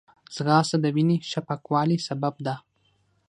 ځغاسته د وینې ښه پاکوالي سبب ده